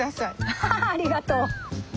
ハハッありがとう。